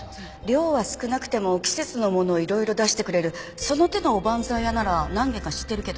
量は少なくても季節のものをいろいろ出してくれるその手のおばんざい屋なら何軒か知ってるけど。